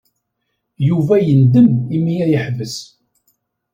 Yuba yendem imi ay yeḥbes.